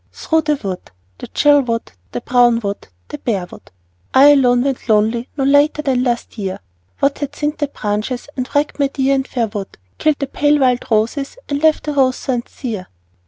Through the wood, the chill wood, the brown wood, the bare wood, I alone went lonely no later than last year, What had thinned the branches, and wrecked my dear and fair wood, Killed the pale wild roses and left the rose thorns sere ?